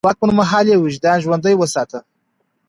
د واک پر مهال يې وجدان ژوندی وساته.